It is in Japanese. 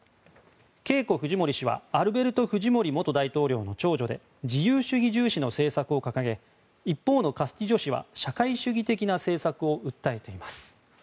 ケイコ・フジモリ氏はアルベルト・フジモリ元大統領の長女で自由主義重視の政策を掲げ一方のカスティジョ氏は社会主義的な政策を訴えています。